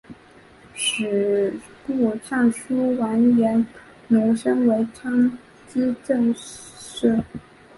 吏部尚书完颜奴申为参知政事。